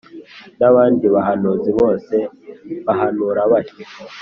N’abandi bahanuzi bose bahanura batyo